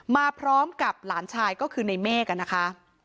มาพร้อมกับหลานชายก็คือในเมฆนะคะ